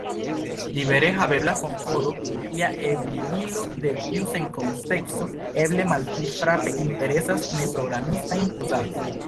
Libere havebla fontkodo, ja ebligilo de tiu senkosteco, eble malpli frape interesas neprogramistajn uzantojn.